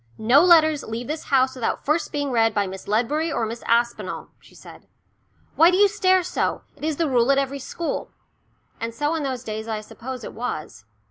"No letters leave this house without being first read by Miss Ledbury or Miss Aspinall," she said. "Why do you stare so? It is the rule at every school," and so in those days I suppose it was.